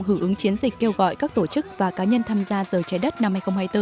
hưởng ứng chiến dịch kêu gọi các tổ chức và cá nhân tham gia giờ trái đất năm hai nghìn hai mươi bốn